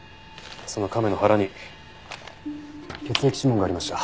その亀の腹に血液指紋がありました。